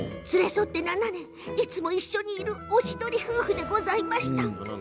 連れ添って７年、いつも一緒にいるおしどり夫婦でございました。